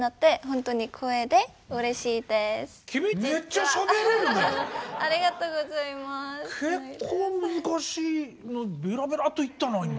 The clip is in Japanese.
結構難しいのベラベラと言ったな今。